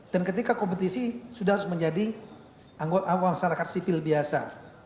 dan ketika kompetisi sudah harus menjadi anggota masyarakat sipil biasa